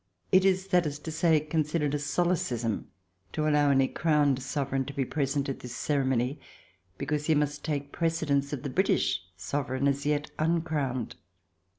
It is, that is to say, considered a solecism to allow any crowned Sove reign to be present at this ceremony, because he must take prece dence of the British Sovereign, as yet uncrowned.